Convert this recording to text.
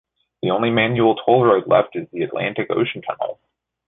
The only manual toll road left is the Atlantic Ocean Tunnel.